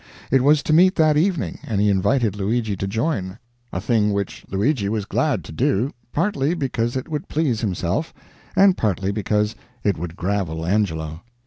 It was to meet that evening, and he invited Luigi to join; a thing which Luigi was glad to do, partly because it would please himself, and partly because it would gravel Angelo.